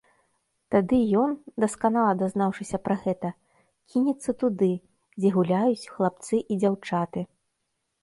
Тады ён, дасканала дазнаўшыся пра гэта, кінецца туды, дзе гуляюць хлапцы і дзяўчаты.